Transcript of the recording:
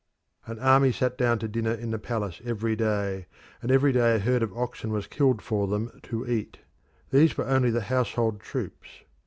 An army sat down to dinner in the palace every day, and every day a herd of oxen was killed for them to eat. These were only the household troops.